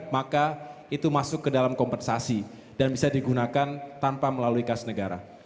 maka itu masuk ke dalam kompensasi dan bisa digunakan tanpa melalui kas negara